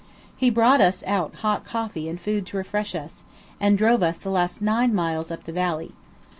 He brought us out hot coffee and food to refresh us, and drove us the last nine miles up the valley.